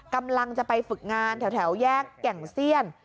กำลังจะไปฝึกงานแถวแยกแก่งเซียน